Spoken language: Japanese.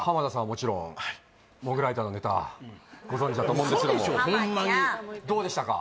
もちろんモグライダーのネタご存じだと思うんですけどもどうでしたか